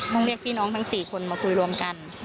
ต้องเรียกพี่น้องทั้ง๔คนมาคุยรวมกัน